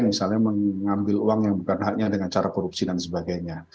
misalnya mengambil uang yang bukan haknya dengan cara korupsi dan sebagainya